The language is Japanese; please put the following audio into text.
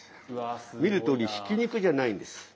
見るとおりひき肉じゃないんです。